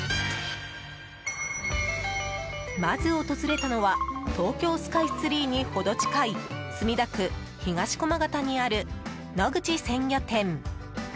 まず訪れたのは東京スカイツリーにほど近い墨田区東駒形にある野口鮮魚店。